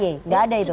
tidak ada itu